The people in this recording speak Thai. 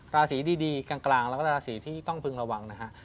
ราศีดีกลางแล้วก็ราศีที่ต้องพึงระวังนะฮะ